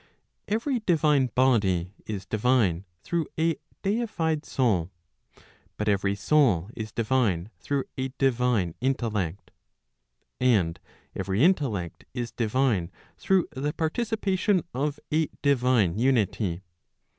Every divine body is divine through a deified soul. But every soul is divine through a divine intellect. And every intellect is divine through the participation of a divine unity.